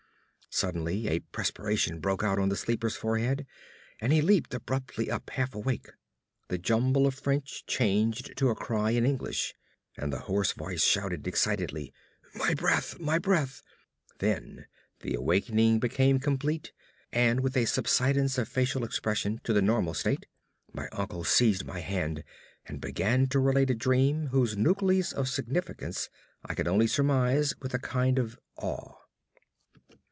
Suddenly a perspiration broke out on the sleeper's forehead, and he leaped abruptly up, half awake. The jumble of French changed to a cry in English, and the hoarse voice shouted excitedly, "My breath, my breath!" Then the awakening became complete, and with a subsidence of facial expression to the normal state my uncle seized my hand and began to relate a dream whose nucleus of significance I could only surmise with a kind of awe.